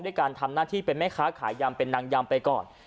การทำหน้าที่เป็นแม่ค้าขายยำเป็นนางยำไปก่อน